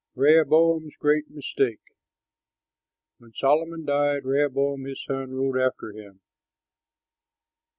REHOBOAM'S GREAT MISTAKE When Solomon died, Rehoboam his son ruled after him.